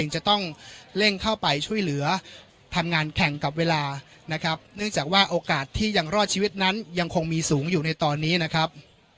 จะต้องเร่งเข้าไปช่วยเหลือทำงานแข่งกับเวลานะครับเนื่องจากว่าโอกาสที่ยังรอดชีวิตนั้นยังคงมีสูงอยู่ในตอนนี้นะครับ